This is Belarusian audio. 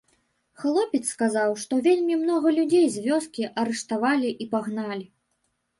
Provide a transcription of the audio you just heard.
Хлопец сказаў, што вельмі многа людзей з вёскі арыштавалі і пагналі.